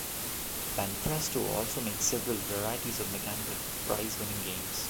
Banpresto also makes several varieties of mechanical prize-winning games.